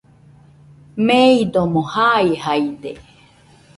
meidomo jaijaide.